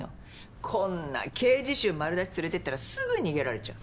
こんな刑事臭丸出し連れてったらすぐ逃げられちゃう。